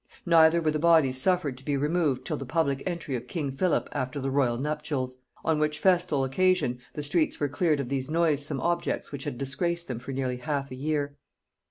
Neither were the bodies suffered to be removed till the public entry of king Philip after the royal nuptials; on which festal occasion the streets were cleared of these noisome objects which had disgraced them for nearly half a year.